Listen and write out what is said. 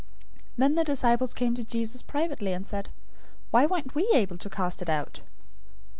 017:019 Then the disciples came to Jesus privately, and said, "Why weren't we able to cast it out?"